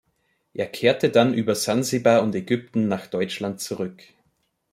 Er kehrte dann über Sansibar und Ägypten nach Deutschland zurück.